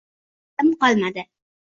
Toqatim qolmadi